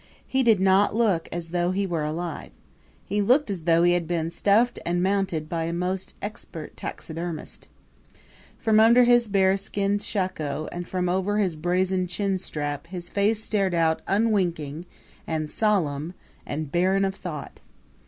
He did not look as though he were alive. He looked as though he had been stuffed and mounted by a most expert taxidermist. From under his bearskin shako and from over his brazen chin strap his face stared out unwinking and solemn and barren of thought.